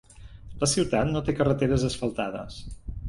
La ciutat no té carreteres asfaltades.